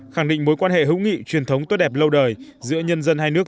khẳng định mối quan hệ hữu nghị truyền thống tốt đẹp lâu đời giữa nhân dân hai nước